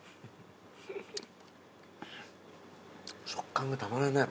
食感がたまらない。